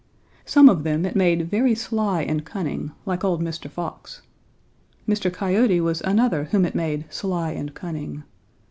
Some of them it made very sly and cunning, like old Mr. Fox. Mr. Coyote was another whom it made sly and cunning.